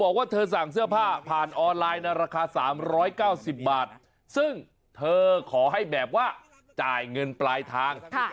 ออนไลน์ราคา๓๙๐บาทซึ่งเธอขอให้แบบว่าจ่ายเงินปลายทาง